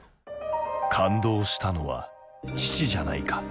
勘当したのは父じゃないか。